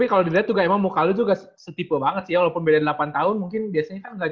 tapi kalau dilihat tuh emang muka lu juga setipe banget sih ya walaupun beda delapan tahun mungkin biasanya kan gak